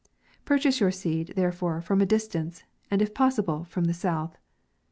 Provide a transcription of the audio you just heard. Purchase your seed, therefore, from a distance, and if possible, from the south.